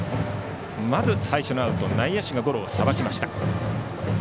まず最初のアウト内野手がゴロをさばきました。